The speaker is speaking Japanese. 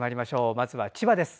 まずは千葉です。